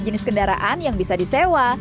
jenis kendaraan yang bisa disewa